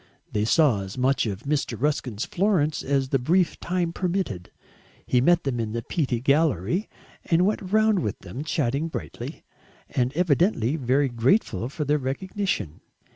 They saw as much of Mr. Ruskin's Florence as the brief time permitted; he met them in the Pitti Gallery and went round with them, chatting brightly, and evidently very grateful for their recognition.